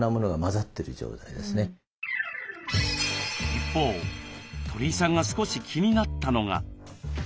一方鳥居さんが少し気になったのが。